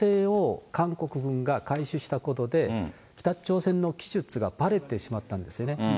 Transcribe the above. ただその衛星を韓国軍がしたことで、北朝鮮の技術がばれてしまったんですよね。